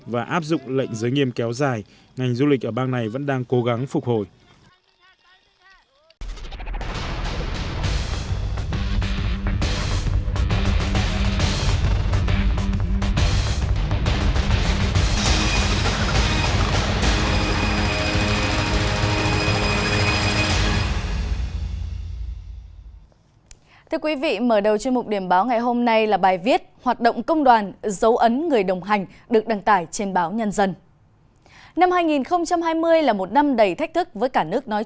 và áp dụng lệnh giới nghiêm kéo dài ngành du lịch ở bang này vẫn đang cố gắng phục hồi